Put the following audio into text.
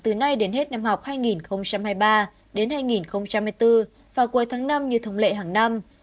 từ nay đến hết năm học hai nghìn hai mươi ba đến hai nghìn hai mươi bốn và cuối tháng năm như thông lệ hàng năm